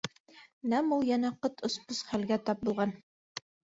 Нәм ул йәнә ҡот осҡос хәлгә тап булған.